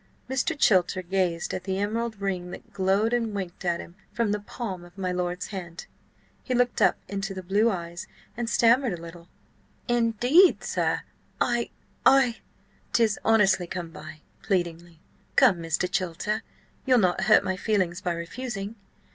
Mr. Chilter gazed at the emerald ring that glowed and winked at him from the palm of my lord's hand. He looked up into the blue eyes and stammered a little. "Indeed, sir–I–I—" "'Tis honestly come by!" pleadingly. "Come, Mr. Chilter, you'll not hurt my feelings by refusing?